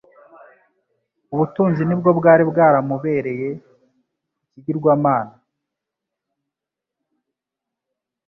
ubutunzi nibwo bwari bwaramubereye ikigirwamana.